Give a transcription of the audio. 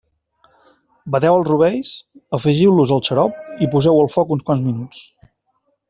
Bateu els rovells, afegiu-los al xarop i poseu-ho al foc uns quants minuts.